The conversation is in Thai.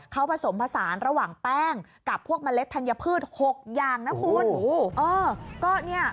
เขาผสมผสานระหว่างแป้งกับพวกเมล็ดธัญพืช๖อย่างนะคุณ